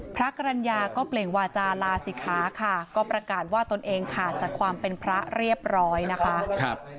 พระกรรณญาก็เปล่งวาจาลาศิขาค่ะก็ประกาศว่าตนเองขาดจากความเป็นพระเรียบร้อยนะคะ